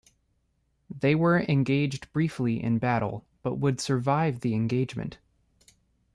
They were engaged briefly in battle, but would survive the engagement.